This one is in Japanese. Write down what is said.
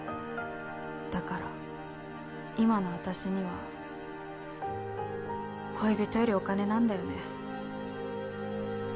だから今の私には恋人よりお金なんだよね。